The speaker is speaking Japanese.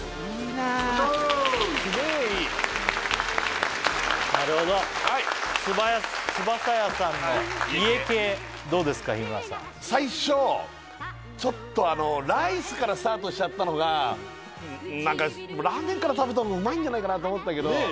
なるほどつばさ家さんの家系どうですか日村さん最初ライスからスタートしちゃったのがラーメンから食べたほうがうまいんじゃないかなと思ったけどねえ